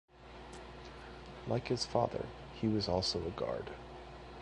Like his father, he was also a guard.